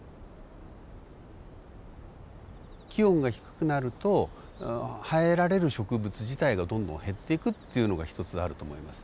気温が低くなると生えられる植物自体がどんどん減っていくというのが一つあると思います。